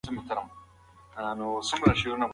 د څېړنې نتایج د خلکو لپاره معلوماتي دي.